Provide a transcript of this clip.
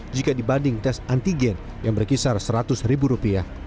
jika dibanding tes antigen yang berkisar rp seratus